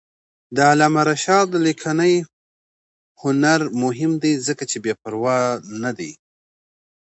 د علامه رشاد لیکنی هنر مهم دی ځکه چې بېپروا نه دی.